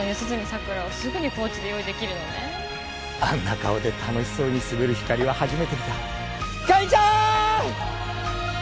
さくらをすぐにコーチで用意できるのねあんな顔で楽しそうに滑るひかりは初めて見たひかりちゃーん！